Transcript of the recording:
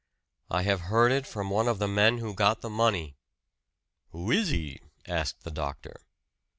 I have heard it from one of the men who got the money." "Who is he?" asked the doctor.